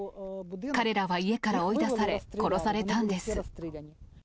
彼らは家から追い出され、殺されたんです。